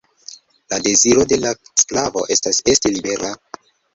La deziro de la sklavo estas esti libera.